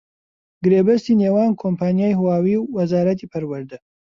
گرێبەستی نێوان کۆمپانیای هواوی و وەزارەتی پەروەردە